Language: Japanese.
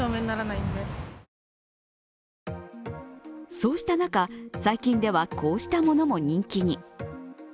そうした中、最近ではこうしたものも人気に。